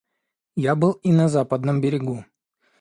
Я был и на Западном берегу.